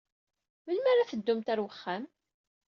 Melmi ara teddumt ɣer uxxam?